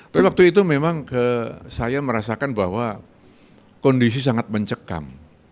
tapi waktu itu memang saya merasakan bahwa kondisi sangat mencekam